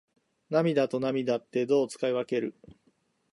涙と泪ってどう使い分ける？